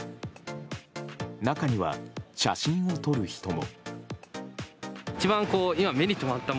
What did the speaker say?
中には、写真を撮る人も。